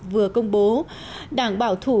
vừa công bố đảng bảo thủ